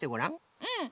うん。